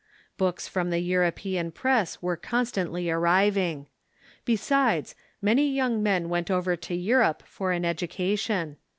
Books from the Euro pean press were constantly arriving. Besides, many young men went over to Europe for an education.